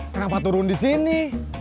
kenapa turun disini